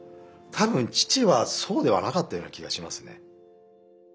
多分父はそうではなかったような気がしますね。